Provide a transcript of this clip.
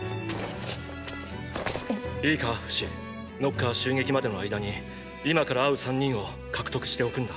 いいかフシノッカー襲撃までの間に今から会う３人を獲得しておくんだ。